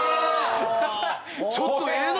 ちょっとええな！